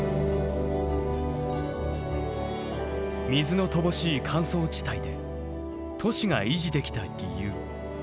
水の乏しい乾燥地帯で都市が維持できた理由。